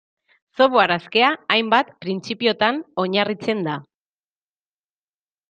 Software askea, hainbat printzipiotan oinarritzen da.